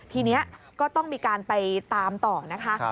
ทีนี้ก็ต้องมีการไปตามต่อนะคะ